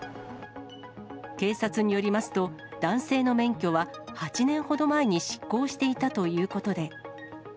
警察によりますと、男性の免許は８年ほど前に失効していたということで。